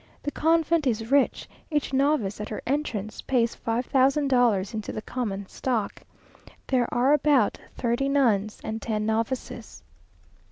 The convent is rich; each novice at her entrance pays five thousand dollars into the common stock. There are about thirty nuns and ten novices.